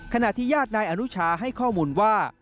ขณะที่ญาตินายอนุชาให้ข้อมูลว่า